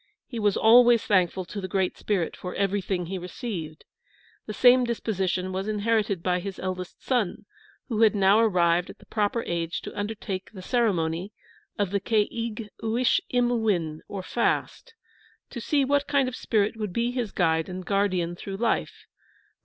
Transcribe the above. He was always thankful to the Great Spirit for everything he received. The same disposition was inherited by his eldest son, who had now arrived at the proper age to undertake the ceremony of the Ke ig uish im o win, or fast, to see what kind of a spirit would be his guide and guardian through life.